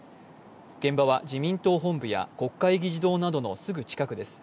現場は自民党本部や国会議事堂などのすぐ近くです。